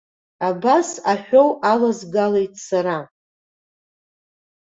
Абас аҳәоу алазгалеит сара.